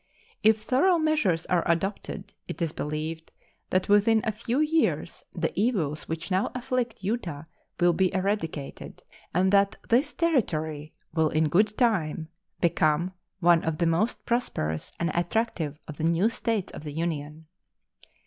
If thorough measures are adopted, it is believed that within a few years the evils which now afflict Utah will be eradicated, and that this Territory will in good time become one of the most prosperous and attractive of the new States of the Union.